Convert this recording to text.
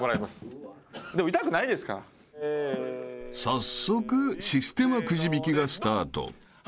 ［早速システマくじ引きがスタート］